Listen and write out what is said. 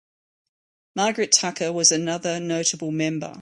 Margaret Tucker was another notable member.